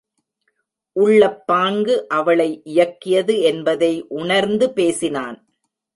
உள்ளப்பாங்கு அவளை இயக்கியது என்பதை உணர்ந்து பேசினான்.